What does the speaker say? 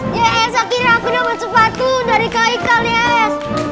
ya saya kira aku dapat sepatu dari kak haikal ya